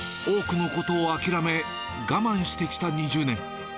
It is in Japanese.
多くのことを諦め、我慢してきた２０年。